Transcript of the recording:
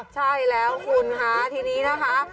ใช่แล้วคุณค่ะทีนี้นะคะ